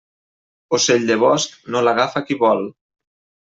Ocell de bosc no l'agafa qui vol.